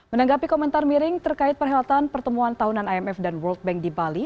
menanggapi komentar miring terkait perhelatan pertemuan tahunan imf dan world bank di bali